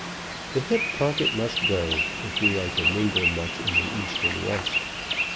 The hip pocket must go, if we are to mingle much in the East and West.